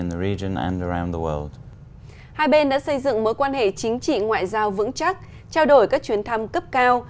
hai bên đã xây dựng mối quan hệ chính trị ngoại giao vững chắc trao đổi các chuyến thăm cấp cao